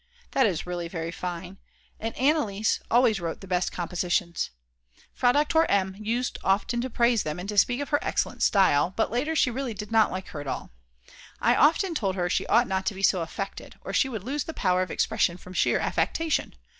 That is really very fine, and Anneliese always wrote the best compositions; Frau Doktor M. used often to praise them and to speak of her excellent style, but later she really did not like her at all. She often told her she ought not to be so affected, or she would lose the power of expression from sheer affectation.